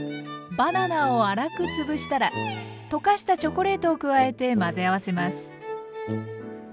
バナナを粗く潰したら溶かしたチョコレートを加えて混ぜ合わせます。